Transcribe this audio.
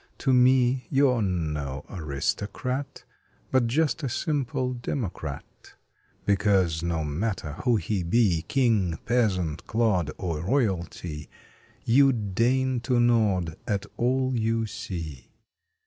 To me you re no aristocrat, But just a simple democrat, Because, no matter who he be, King, peasant, clod, or royalty, You deign to nod at all you see.